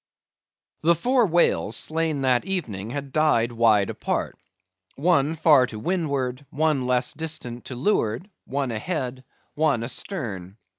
The four whales slain that evening had died wide apart; one, far to windward; one, less distant, to leeward; one ahead; one astern.